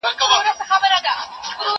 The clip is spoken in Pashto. زه به اوږده موده د درسونو يادونه کړې وم!؟